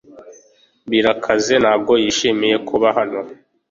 Birakaze ntabwo yishimiye kuba hano .